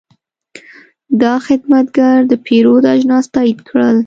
دا خدمتګر د پیرود اجناس تایید کړل.